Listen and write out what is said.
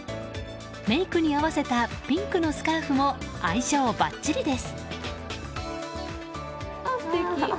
メイクに合わせたピンクのスカーフも相性ばっちりです。